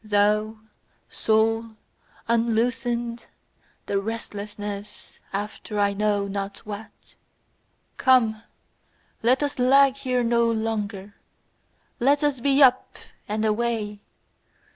Thou, soul, unloosenâd the restlessness after I know not what; Come, let us lag here no longer, let us be up and away!